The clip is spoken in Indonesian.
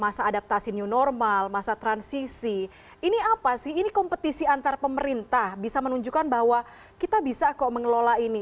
masa adaptasi new normal masa transisi ini kompetisi antar pemerintah bisa menunjukkan bahwa kita bisa mengelola ini